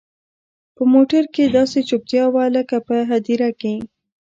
په موټر کښې داسې چوپتيا وه لكه په هديره کښې.